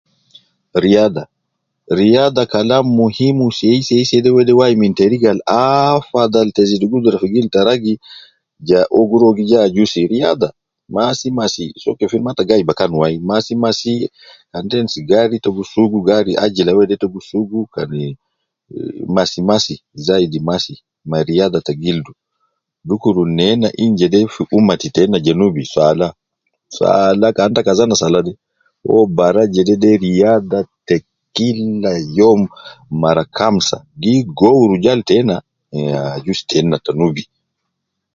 Riyad, riyada Kalam muhimu sei sei sei de wede wai min teriga afadhal te zidu gudra fi gildu ta ragi ja uwo gi rua uwo gi ajusi, riyada masi ma anas ,soo kefin mata gai bakan wai, masi masi, kan ta endi gari te gi sugu gari ajila wede ta gi sugu, kan te eh masi masi, zaidi masi ma riyada ta gildu, dukuru ne na in jede fi ummati tena ja Nubi sala, saala kan ta kazana sala de, uwo bara jede de riyada te killa youm mara kamsa gi gowu rujal tena, eh ah ajusi tena ta nubi